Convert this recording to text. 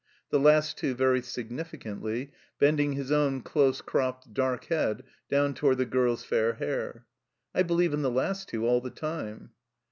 The last two very significantly, bending his own close cropped, dark head down toward the girl's fair hair. " I believe in the last two all the time